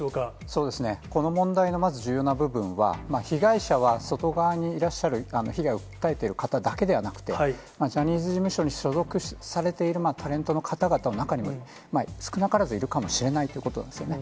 そうですね、この問題の重要な部分は、被害者は外側にいらっしゃる、被害を訴えている方だけではなくて、ジャニーズ事務所に所属されているタレントの方々の中にも少なからずいるかもしれないということなんですよね。